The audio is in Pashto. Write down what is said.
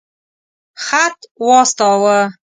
خط واستاوه.